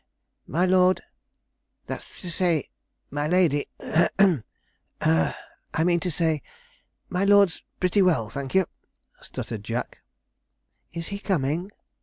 'Hem cough hem my lord that's to say, my lady hem cough I mean to say, my lord's pretty well, thank ye,' stuttered Jack. 'Is he coming?'